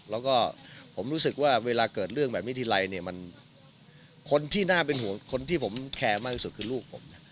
แล้วก็ผมรู้สึกว่าเวลาเกิดเรื่องแบบนี้ทีไรเนี่ยคนที่ผมแคร์มากที่สุดคือลูกผม